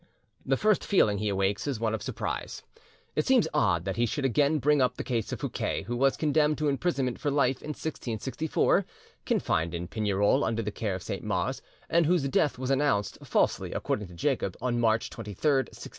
The first feeling he awakes is one of surprise. It seems odd that he should again bring up the case of Fouquet, who was condemned to imprisonment for life in 1664, confined in Pignerol under the care of Saint Mars, and whose death was announced (falsely according to Jacob) on March 23rd, 1680.